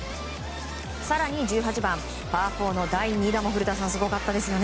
更に１８番、パー４の第２打も古田さん、すごかったですよね。